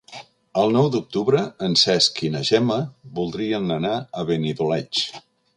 El nou d'octubre en Cesc i na Gemma voldrien anar a Benidoleig.